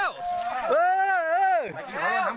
เออเออเลย